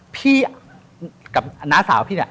พี่กับน้าสาวพี่